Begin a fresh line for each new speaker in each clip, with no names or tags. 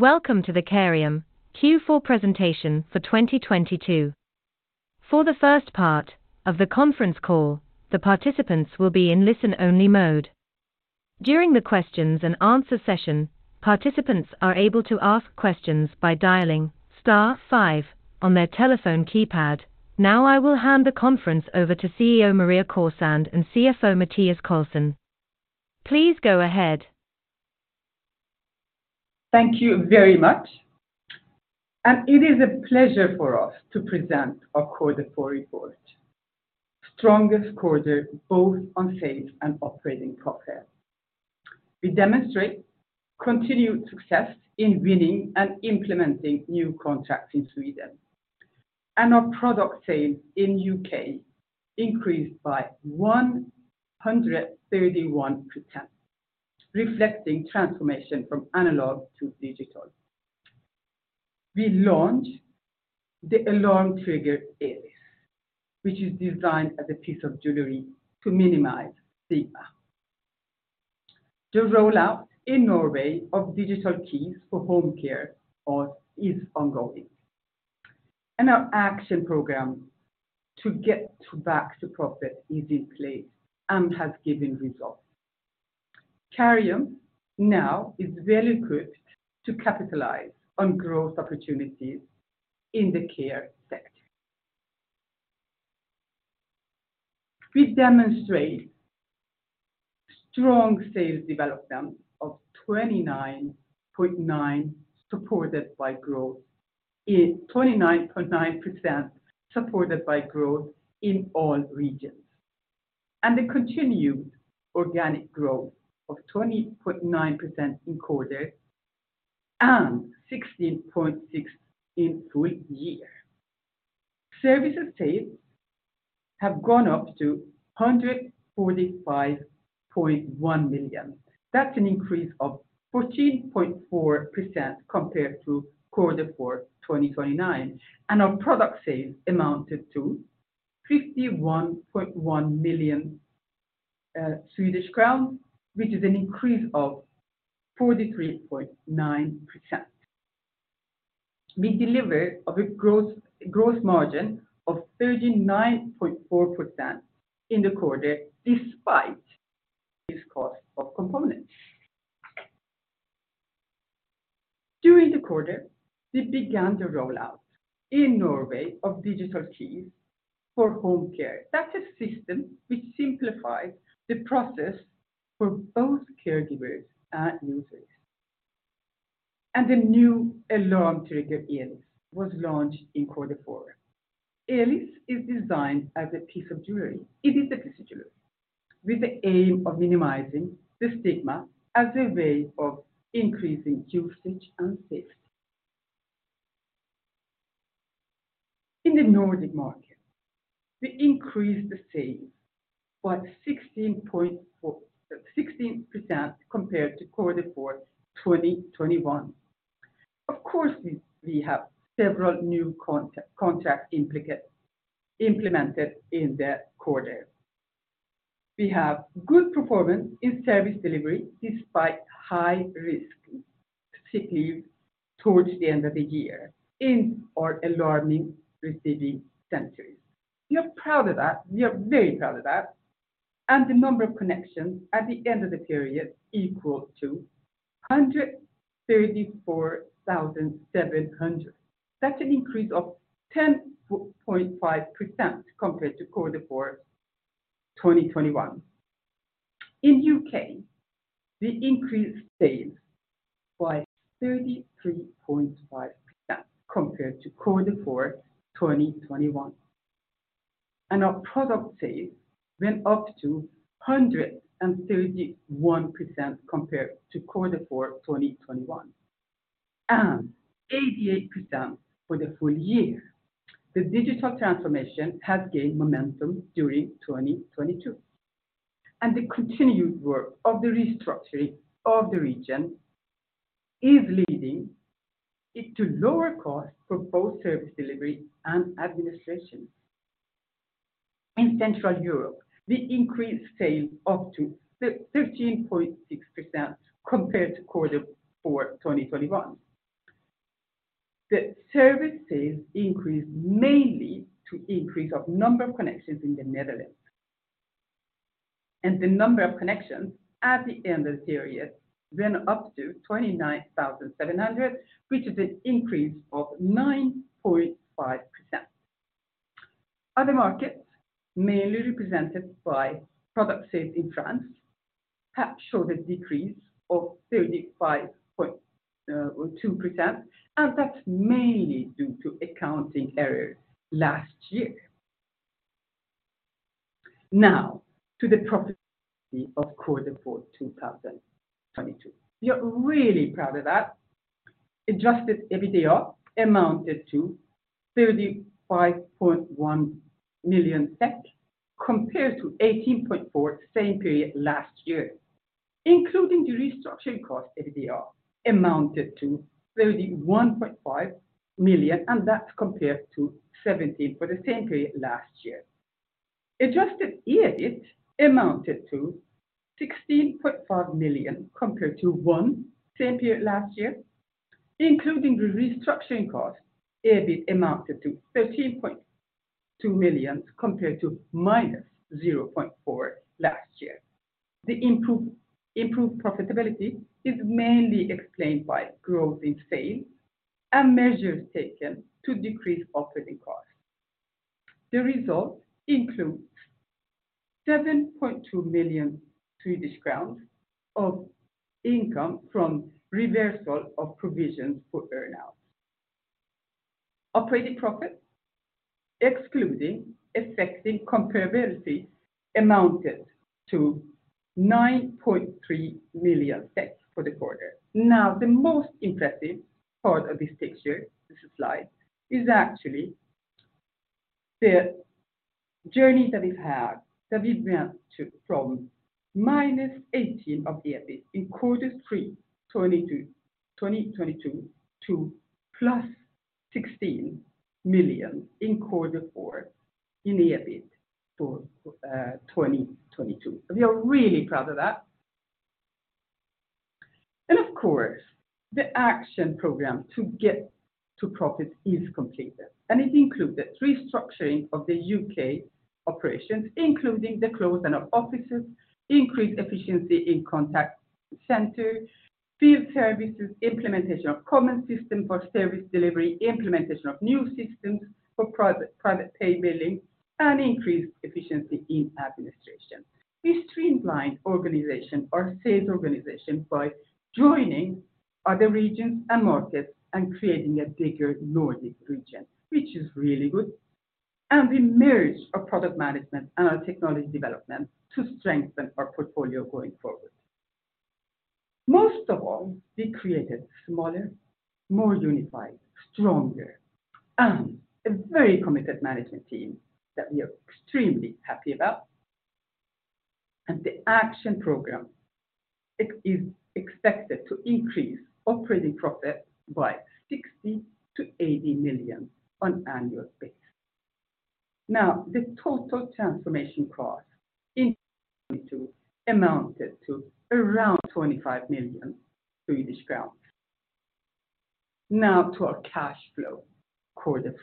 Welcome to the Careium Q4 presentation for 2022. For the first part of the conference call, the participants will be in listen-only mode. During the questions and answer session, participants are able to ask questions by dialing star five on their telephone keypad. Now, I will hand the conference over to CEO Maria Khorsand and CFO Mathias Carlsson. Please go ahead.
Thank you very much. It is a pleasure for us to present our quarter four report. Strongest quarter both on sales and operating profit. We demonstrate continued success in winning and implementing new contracts in Sweden, and our product sales in U.K. increased by 131%, reflecting transformation from analog to digital. We launched the alarm-triggered Elis, which is designed as a piece of jewelry to minimize stigma. The rollout in Norway of digital keys for home care is ongoing. Our action program to get back to profit is in place and has given results. Careium now is well-equipped to capitalize on growth opportunities in the care sector. We demonstrate strong sales development of 29.9% supported by growth in all regions. The continued organic growth of 20.9% in the quarter and 16.6% in the full year. Services sales have gone up to 145.1 million. That's an increase of 14.4% compared to Q4 2021. Our product sales amounted to 51.1 million Swedish crowns, which is an increase of 43.9%. We delivered a gross margin of 39.4% in the quarter despite this cost of components. During the quarter, we began the rollout in Norway of digital keys for home care. That's a system which simplifies the process for both caregivers and users. The new alarm-triggered Elis was launched in Q4. Elis is designed as a piece of jewelry. It is a piece of jewelry with the aim of minimizing the stigma as a way of increasing usage and safety. In the Nordic market, we increased the sales by 16% compared to quarter four 2021. Of course, we have several new contract implemented in the quarter. We have good performance in service delivery despite high risk of sick leave towards the end of the year in our alarm receiving centers. We are proud of that. We are very proud of that. The number of connections at the end of the period equals to 134,700. That's an increase of 10.5% compared to quarter four 2021. In U.K., we increased sales by 33.5% compared to quarter four 2021. Our product sales went up to 131% compared to Q4 2021, and 88% for the full year. The digital transformation has gained momentum during 2022, and the continued work of the restructuring of the region is leading it to lower costs for both service delivery and administration. In Central Europe, we increased sales up to 13.6% compared to Q4 2021. The service sales increased mainly to increase of number of connections in the Netherlands. The number of connections at the end of the period went up to 29,700, which is an increase of 9.5%. Other markets, mainly represented by product sales in France, have showed a decrease of 35.2%, that's mainly due to accounting error last year. Now to the profitability of Q4 2022. We are really proud of that. Adjusted EBITDA amounted to 35.1 million compared to 18.4 same period last year. Including the restructuring cost, EBITDA amounted to 31.5 million, and that's compared to 17 for the same period last year. Adjusted EBIT amounted to 16.5 million compared to one same period last year. Including the restructuring cost, EBIT amounted to 13.2 million compared to -0.4 last year. The improved profitability is mainly explained by growth in sales and measures taken to decrease operating costs. The results include SEK 7.2 million of income from reversal of provisions for earnouts. Operating profit, excluding affecting comparability, amounted to 9.3 million for the quarter. The most impressive part of this picture, this slide, is actually the journey that we've had, that we've been to from minus 18 million of the EBIT in Q3 2022 to plus 16 million in Q4 in the EBIT for 2022. We are really proud of that. Of course, the action program to get to profit is completed, and it included restructuring of the U.K. operations, including the closing of offices, increased efficiency in contact center, field services, implementation of common system for service delivery, implementation of new systems for private pay billing, and increased efficiency in administration. We streamlined our sales organization by joining other regions and markets and creating a bigger Nordic region, which is really good. We merged our product management and our technology development to strengthen our portfolio going forward. Most of all, we created smaller, more unified, stronger, and a very committed management team that we are extremely happy about. The action program is expected to increase operating profit by 60 million-80 million on annual basis. The total transformation cost in 2022 amounted to around SEK 25 million. To our cash flow Q4.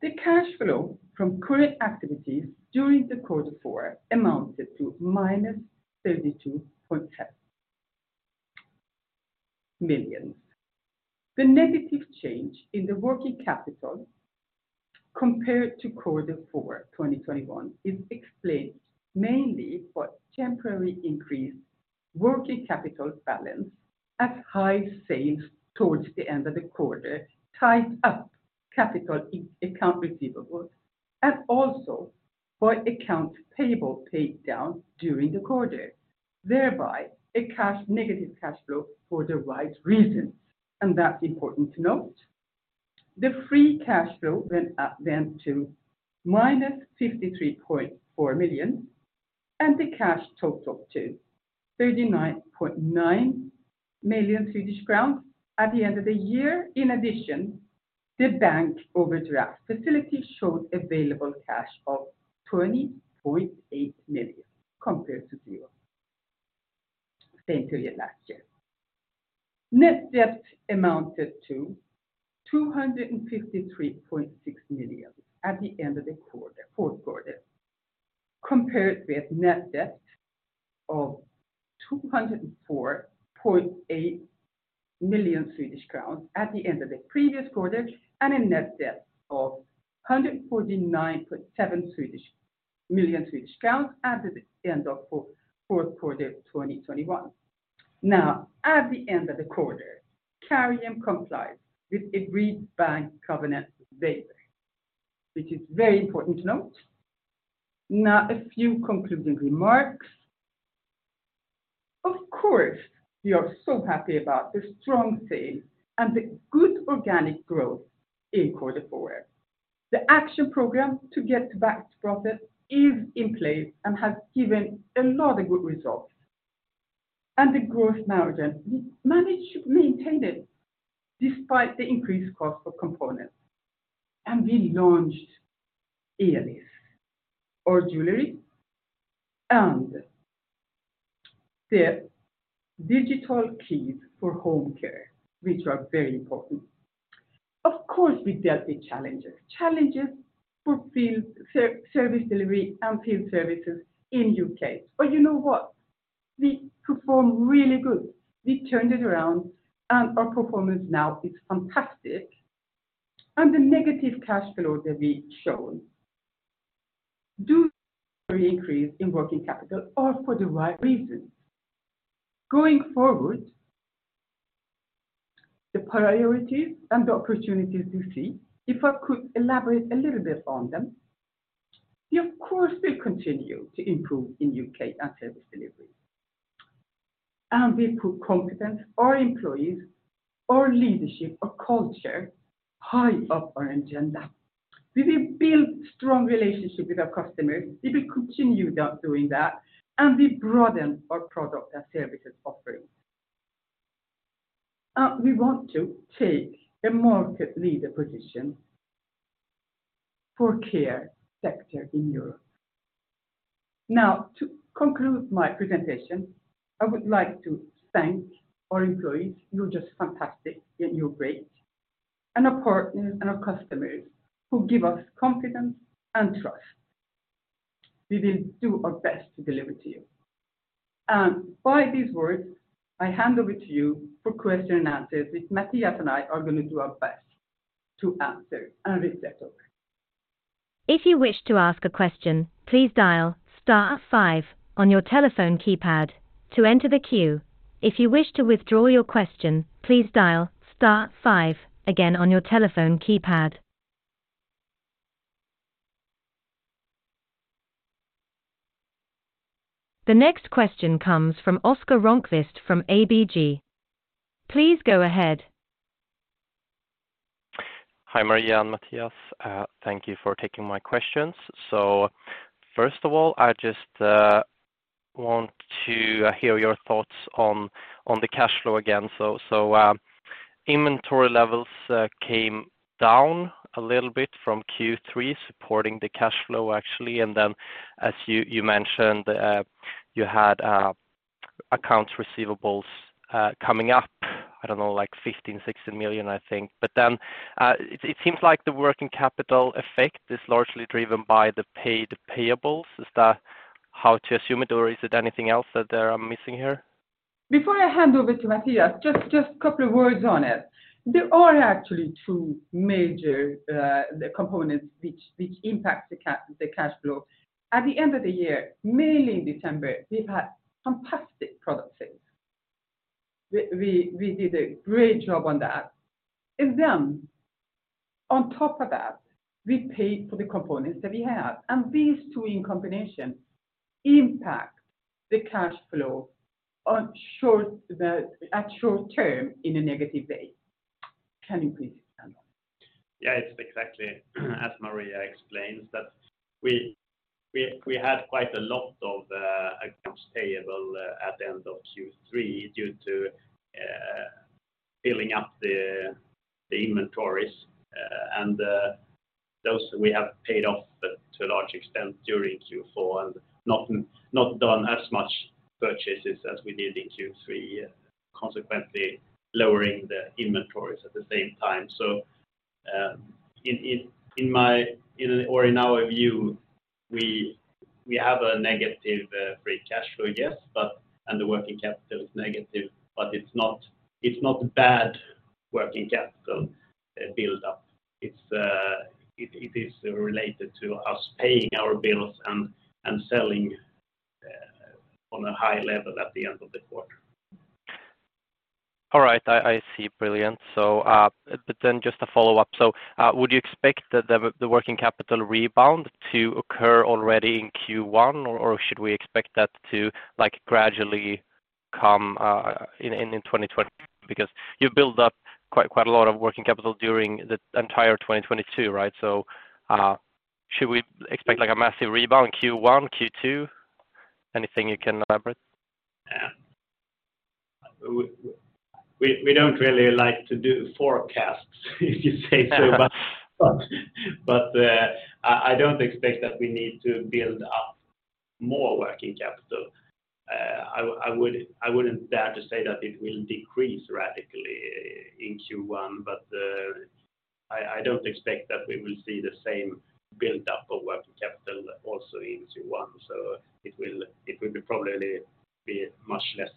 The cash flow from current activities during the Q4 amounted to -32.7 million. The negative change in the working capital compared to Q4 2021 is explained mainly for temporary increase working capital balance as high sales towards the end of the quarter tied up capital account receivables and also by accounts payable paid down during the quarter, thereby a negative cash flow for the right reasons. That's important to note. The free cash flow went up then to 153.4 million, and the cash totaled to 39.9 million Swedish crowns at the end of the year. In addition, the bank overdraft facility showed available cash of 20.8 million compared to zero same period last year. Net debt amounted to 253.6 million at the end of the fourth quarter, compared with net debt of 204.8 million Swedish crowns at the end of the previous quarter and a net debt of 149.7 million Swedish crowns at the end of the fourth quarter 2021. At the end of the quarter, Careium complies with agreed bank covenant waivers, which is very important to note. A few concluding remarks. Of course, we are so happy about the strong sales and the good organic growth in quarter four. The action program to get back to profit is in place and has given a lot of good results. The growth margin, we managed to maintain it despite the increased cost of components. We launched Ellis, our jewelry, and the digital keys for home care, which are very important. Of course, we dealt with challenges. Challenges fulfilled service delivery and field services in U.K. You know what? We performed really good. We turned it around, and our performance now is fantastic. The negative cash flow that we've shown due to temporary increase in working capital are for the right reasons. Going forward, the priorities and the opportunities we see, if I could elaborate a little bit on them, we of course will continue to improve in U.K. our service delivery. We put competence, our employees, our leadership, our culture high up our agenda. We will build strong relationship with our customers. We will continue doing that, and we broaden our product and services offering. We want to take a market leader position for care sector in Europe. Now, to conclude my presentation, I would like to thank our employees. You're just fantastic and you're great. Our partners and our customers who give us confidence and trust. We will do our best to deliver to you. By these words, I hand over to you for question and answers, which Mathias Carlsson and I are gonna do our best to answer. With that over.
If you wish to ask a question, please dial star five on your telephone keypad to enter the queue. If you wish to withdraw your question, please dial star five again on your telephone keypad. The next question comes from Oskar Räftegård from ABG. Please go ahead.
Hi, Maria and Mathias. Thank you for taking my questions. First of all, I just want to hear your thoughts on the cash flow again. Inventory levels came down a little bit from Q3, supporting the cash flow, actually. As you mentioned, you had accounts receivables coming up, I don't know, like 15 million, 16 million, I think. It seems like the working capital effect is largely driven by the paid payables. Is that how to assume it, or is it anything else that I'm missing here?
Before I hand over to Mathias, just a couple of words on it. There are actually two major components which impact the cash flow. At the end of the year, mainly in December, we've had fantastic product sales. We did a great job on that. Then on top of that, we paid for the components that we have. These two in combination impact the cash flow at short term in a negative way. Can you please handle?
Yeah. It's exactly as Maria explains, that we had quite a lot of accounts payable at the end of Q3 due to building up the inventories. Those we have paid off to a large extent during Q4 and not done as much purchases as we did in Q3, consequently lowering the inventories at the same time. In my or in our view, we have a negative free cash flow, yes, but, and the working capital is negative, but it's not bad working capital build-up. It is related to us paying our bills and selling on a high level at the end of the quarter.
All right. I see. Brilliant. Just a follow-up. Would you expect the working capital rebound to occur already in Q1, or should we expect that to, like, gradually come in 2020? Because you built up quite a lot of working capital during the entire 2022, right? Should we expect, like, a massive rebound Q1, Q2? Anything you can elaborate?
Yeah. We don't really like to do forecasts if you say so, but, I don't expect that we need to build up more working capital. I wouldn't dare to say that it will decrease radically in Q1, but, I don't expect that we will see the same build-up of working capital also in Q1. It will be probably be much less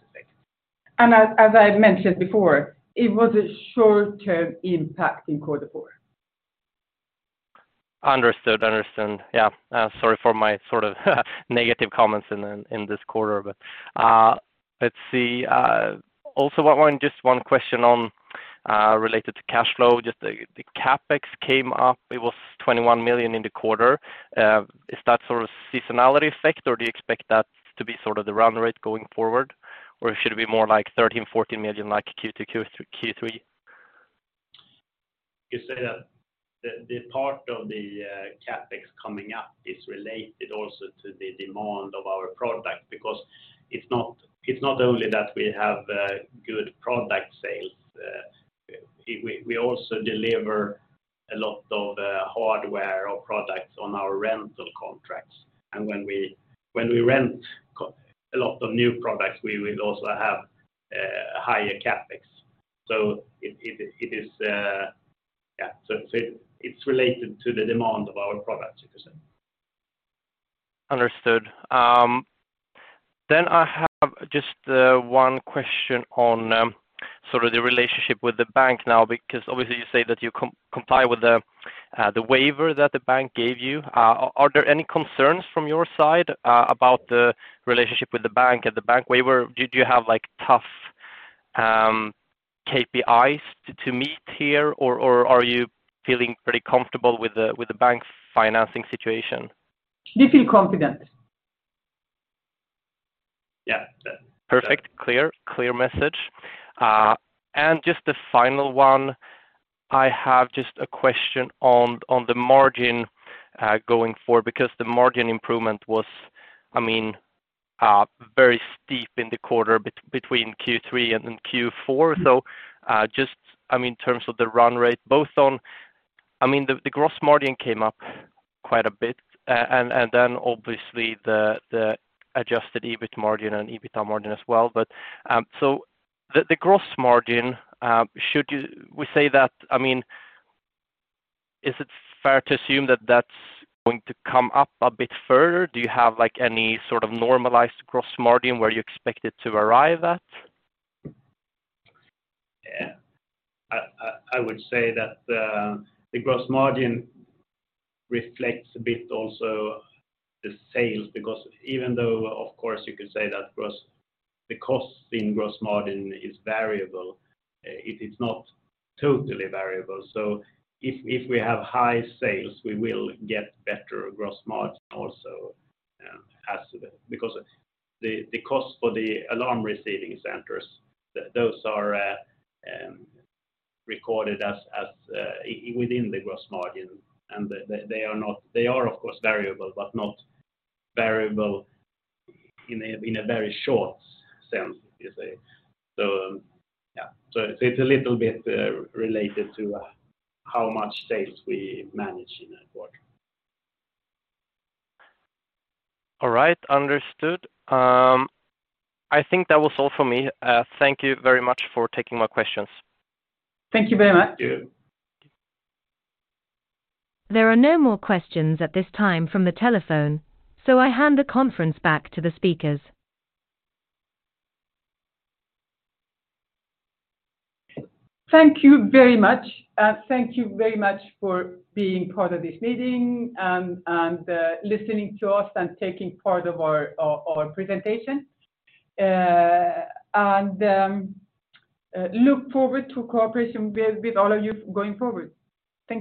effect.
As I mentioned before, it was a short-term impact in quarter four.
Understood. Understood. Yeah. Sorry for my sort of negative comments in this quarter. Let's see. Also one, just one question on, related to cash flow. Just the CapEx came up, it was 21 million in the quarter. Is that sort of seasonality effect, or do you expect that to be sort of the run rate going forward? Should it be more like 13 million, 14 million, like Q2, Q3?
You say that the part of the CapEx coming up is related also to the demand of our product, because it's not only that we have good product sales, we also deliver a lot of hardware or products on our rental contracts. When we rent a lot of new products, we will also have higher CapEx. It is, yeah. It's related to the demand of our products, you could say.
Understood. I have just one question on sort of the relationship with the bank now, because obviously you say that you comply with the waiver that the bank gave you. Are there any concerns from your side about the relationship with the bank and the bank waiver? Do you have, like, tough KPIs to meet here? Are you feeling pretty comfortable with the bank's financing situation?
We feel confident.
Yeah. Yeah.
Perfect. Clear. Clear message. Just the final one, I have just a question on the margin going forward, because the margin improvement was, I mean, very steep in the quarter between Q3 and in Q4. Just, I mean, in terms of the run rate, both on... I mean, the gross margin came up quite a bit, and then obviously the adjusted EBIT margin and EBITDA margin as well. The gross margin, we say that, I mean, is it fair to assume that that's going to come up a bit further? Do you have, like, any sort of normalized gross margin where you expect it to arrive at?
Yeah. I would say that the gross margin reflects a bit also the sales, because even though, of course, you could say that the cost in gross margin is variable, it is not totally variable. If we have high sales, we will get better gross margin also. The cost for the alarm receiving centres, those are recorded as within the gross margin, and they are of course variable, but not variable in a very short sense, you say. Yeah. It's a little bit related to how much sales we manage in that quarter.
All right. Understood. I think that was all for me. Thank you very much for taking my questions.
Thank you very much. Thank you.
There are no more questions at this time from the telephone, so I hand the conference back to the speakers.
Thank you very much. Thank you very much for being part of this meeting and listening to us and taking part of our presentation. Look forward to cooperation with all of you going forward. Thank you.